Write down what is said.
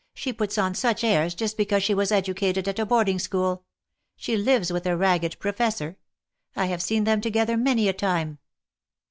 " She puts on such airs just because she was educated at a boarding school. She lives with a ragged Professor. I have seen them together many a time."